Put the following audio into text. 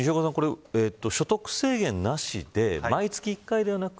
所得制限なしで毎月１回ではなく。